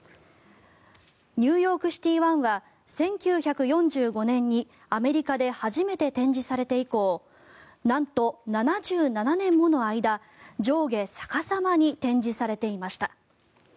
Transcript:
「ニューヨークシティ１」は１９４５年にアメリカで初めて展示されて以降なんと、７７年もの間上下逆さまに展示されていました。